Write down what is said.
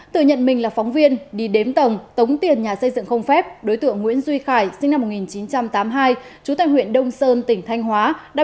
từ nhận mình là phóng viên đi đếm tầng tống tiền nhà xây dựng không phép đối tượng nguyễn duy khải sinh năm một nghìn chín trăm tám mươi hai chú tài huyện đông sơn tỉnh thanh hóa